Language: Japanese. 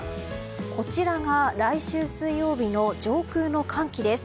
こちらが、来週水曜日の上空の寒気です。